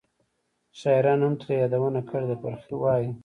شاعرانو هم ترې یادونه کړې ده. فرخي وایي: